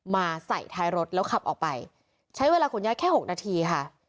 มาใส่ท้ายรถแล้วขับออกไปใช้เวลาขนย้ายแค่๖นาทีค่ะ